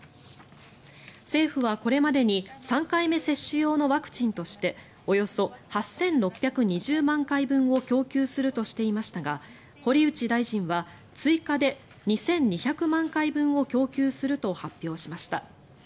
政府はこれまでに３回目接種用のワクチンとしておよそ８６２０万回分を供給するとしていましたが堀内大臣は追加で２２００万回分を供給すると発表しました。